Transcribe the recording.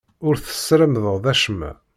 Ur tesremdeḍ acemma.